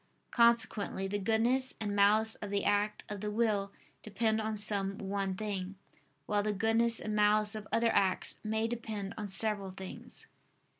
Consequently the goodness and malice of the act of the will depend on some one thing; while the goodness and malice of other acts may depend on several things.